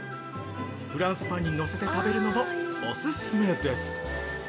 フランスパンにのせて食べるのもお勧めです。